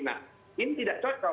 nah ini tidak cocok